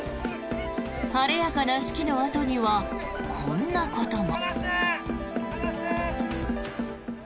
晴れやかな式のあとにはこんなことも。